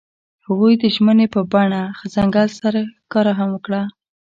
هغوی د ژمنې په بڼه ځنګل سره ښکاره هم کړه.